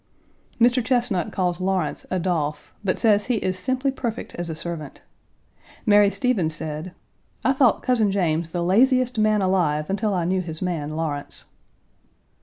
Mr. Chesnut calls Lawrence "Adolphe," but says he is simply perfect as a servant. Mary Stevens said: "I thought Cousin James the laziest man alive until I knew his man, Lawrence."